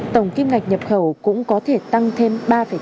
tổng kim ngạch nhập khẩu cũng có thể tăng thêm ba tám